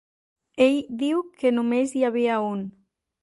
Ell diu que només hi havia un.